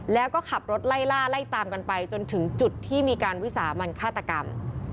แล้วก็ขับรถไล่ล่าไล่ตามกันไปจนถึงจุดที่มีการวิสามันฆาตกรรม